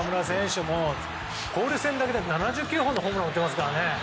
交流戦だけで７９本のホームランを打っていますからね。